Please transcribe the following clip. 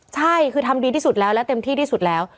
ใช่คือทำดีที่สุดแล้วและเต็มที่ที่สุดแล้ว